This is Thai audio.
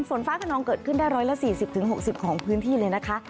ฝนฟ้าขนองเกิดขึ้นได้๑๔๐๖๐ของพื้นที่เลยนะคะ